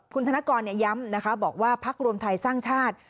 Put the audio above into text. คุณธนกรย้ำนะคะบอกว่าพักรวมไทยสร้างชาติ